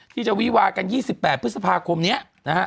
ที่จะวิวากัน๒๘พฤษภาคมเนี่ย